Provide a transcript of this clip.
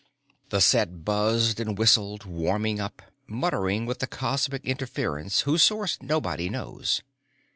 The set buzzed and whistled, warming up, muttering with the cosmic interference whose source nobody knows.